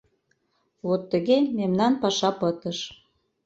Вот тыге мемнан паша пытыш.